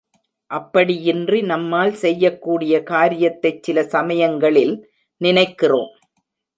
அப்படியின்றி நம்மால் செய்யக்கூடிய காரியத்தைச் சில சமயங்களில் நினைக்கிறோம்.